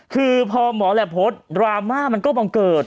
คือพอหมอแหลปโพสต์ดราม่ามันก็บังเกิด